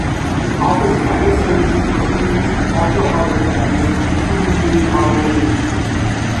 It offers various services for students and also houses various Student Union organisations.